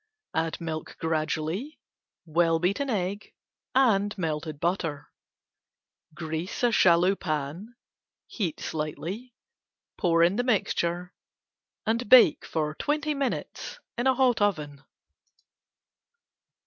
Add milk gradually, well beaten egg and melted butter. Grease shallow pan, heat slightly, pour in mixture and bake twenty minutes in hot oven.